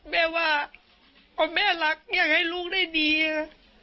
แม่ว่าพอแม่รักอยากให้ลูกได้ดี